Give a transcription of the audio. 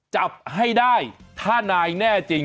จับให้ได้ถ้านายแน่จริง